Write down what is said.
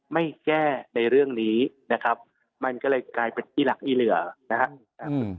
ไม่แก้ในเรื่องนี้นะครับมันก็เลยกลายเป็นอีหลักอีเหลือนะครับ